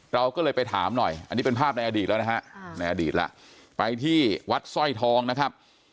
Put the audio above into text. เราก็เลยไปถามหน่อยอันนี้เป็นภาพในอดีตแล้วนะฮะในอดีตแล้วไปที่วัดสร้อยทองนะครับ